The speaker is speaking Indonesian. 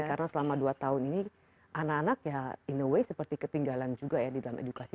karena selama dua tahun ini anak anak ya in a way seperti ketinggalan juga ya di dalam edukasi